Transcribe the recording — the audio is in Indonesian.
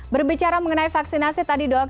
berbicara mengenai vaksinasi tadi dok